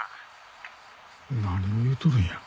何を言うとるんや？